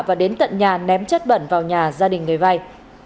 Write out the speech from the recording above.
và đến tận nhà ném chất bẩn vào nhà gia đình người vay